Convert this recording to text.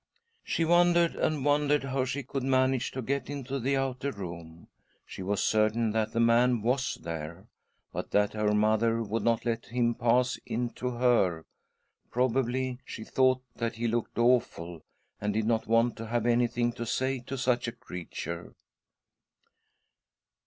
She wondered and wondered how she could manage to get into the outer room. She was certain that the man was there, but that her mother would not let him pass in to her — probably she thought that he looked awful, and did not want "to have anything to say to such a creature.